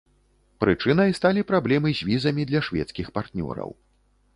Прычынай сталі праблемы з візамі для шведскіх партнёраў.